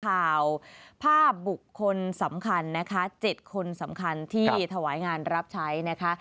ภาพบุคคลสำคัญนะคะ๗คนสำคัญที่ถวายงานรับใช้นะคะ